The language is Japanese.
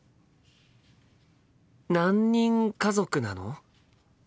何人家族なの？